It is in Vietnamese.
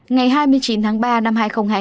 ngày hai mươi chín tháng ba năm hai nghìn hai mươi